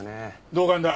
同感だ。